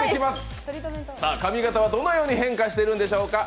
髪形はどのように変化しているんでしょうか。